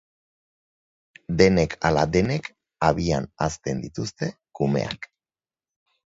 Denek ala denek habian hazten dituzte kumeak.